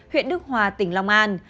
huyện đức hòa tỉnh long an